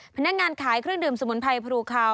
พนักงานขายเครื่องดื่มสมุนไพรพรูคาว